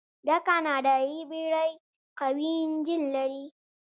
دا کاناډایي بیړۍ قوي انجن لري.